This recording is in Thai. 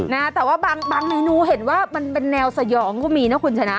นะแต่ว่าบางเมนูเห็นว่ามันเป็นแนวสยองก็มีนะคุณชนะ